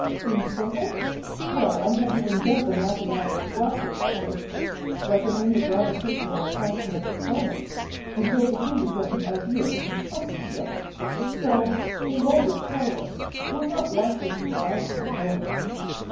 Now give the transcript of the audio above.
Seems simple? Well, I had to invent the mathematical process for it. Reckon in the gravitational attraction of the planets, and you'll begin to get an idea of the complexity of it. So, in vulgar parlance, we're not likely to arrive till morning."